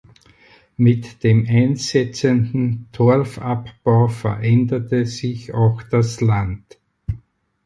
Mit dem einsetzenden Torfabbau veränderte sich auch das Land.